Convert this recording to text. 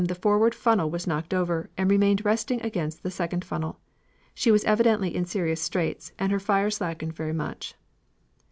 the forward funnel was knocked over, and remained resting against the second funnel. She was evidently in serious straits, and her fire slackened very much.